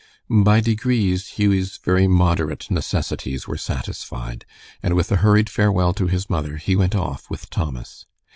By degrees Hughie's very moderate necessities were satisfied, and with a hurried farewell to his mother he went off with Thomas.